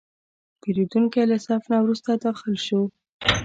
پیرودونکی له صف نه وروسته داخل شو.